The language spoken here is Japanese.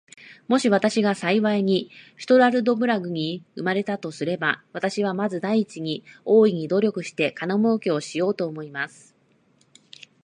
もし私が幸いにストラルドブラグに生れたとすれば、私はまず第一に、大いに努力して金もうけをしようと思います。